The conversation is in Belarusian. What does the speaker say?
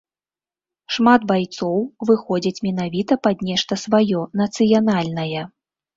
Шмат байцоў выходзяць менавіта пад нешта сваё нацыянальнае.